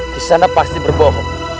kisanak pasti berbohong